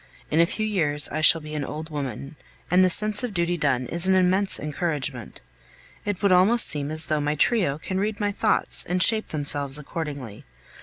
In a few years I shall be an old woman, and the sense of duty done is an immense encouragement. It would almost seem as though my trio can read my thoughts and shape themselves accordingly.